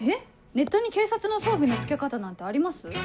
ネットに警察の装備の着け方なんてあります？